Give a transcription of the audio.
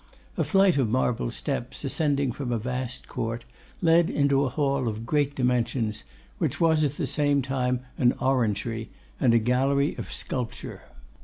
A flight of marble steps, ascending from a vast court, led into a hall of great dimensions, which was at the same time an orangery and a gallery of sculpture.